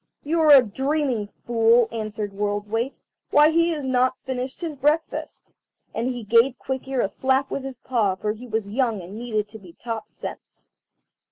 "You are dreaming, fool," answered World's weight; "why he has not finished his breakfast." And he gave Quick ear a slap with his paw, for he was young and needed to be taught sense.